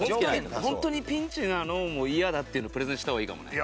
「ホントにピンチなの？」も嫌だっていうのプレゼンした方がいいかもね。